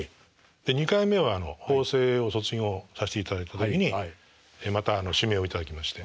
２回目は法政を卒業させていただいた時にまた指名を頂きまして。